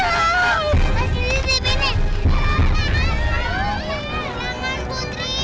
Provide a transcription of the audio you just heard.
jangan putri itu nanan nya fut bahaya